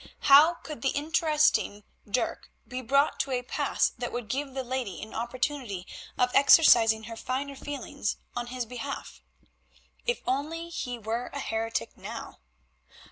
How could the interesting Dirk be brought to a pass that would give the lady an opportunity of exercising her finer feelings on his behalf? If only he were a heretic now!